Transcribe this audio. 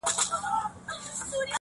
چي زوړ یار مي له اغیار سره خمسور سو،